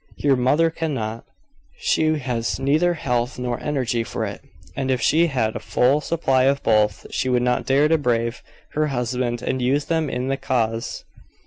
Your mother cannot. She has neither health nor energy for it; and if she had a full supply of both, she would not dare to brave her husband and use them in the cause.